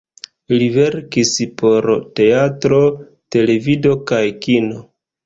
Li verkis por teatro, televido kaj kino.